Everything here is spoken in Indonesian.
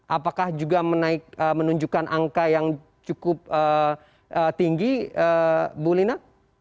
apakah juga menunjukkan angka yang cukup tinggi bu lina